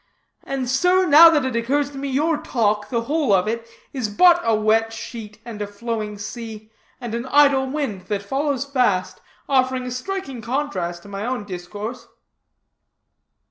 and, sir, now that it occurs to me, your talk, the whole of it, is but a wet sheet and a flowing sea, and an idle wind that follows fast, offering a striking contrast to my own discourse."